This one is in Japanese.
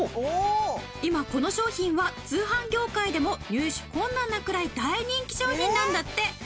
今この商品は通販業界でも入手困難なくらい大人気商品なんだって！